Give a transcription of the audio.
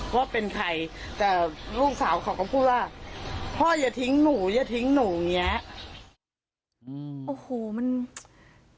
เพราะเป็นใครแต่ลูกสาวเขาก็พูดว่าพ่อย่าทิ้งหนูอย่าทิ้งหนูอย่างเงี้ย